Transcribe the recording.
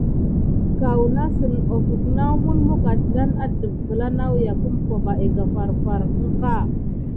Kanasick ofuck na mulmuck adane àlékloe umpay ba dan farfar adan ba.